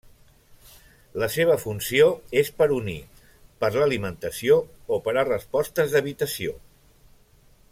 La seva funció és per unir, per l'alimentació o per a respostes d'evitació.